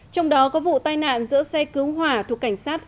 trong đó có vụ tai nạn giữa xe cứu hỏa thuộc cảnh sát